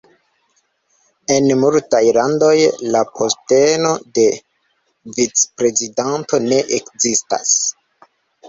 En multaj landoj, la posteno de vicprezidanto ne ekzistas.